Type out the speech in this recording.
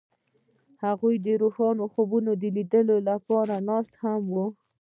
هغوی د روښانه خوبونو د لیدلو لپاره ناست هم وو.